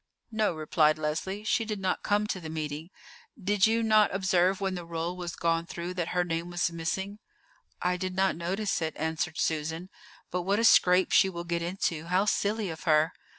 "No," replied Leslie; "she did not come to the meeting; did you not observe when the roll was gone through that her name was missing?" "I did not notice it," answered Susan; "but what a scrape she will get into! How silly of her!"